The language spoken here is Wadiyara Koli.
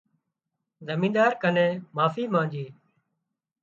زمينۮار ڪنين معافي مانڄي